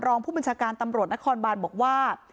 รองผู้บัญชาการตำรวจนครบานบอกว่า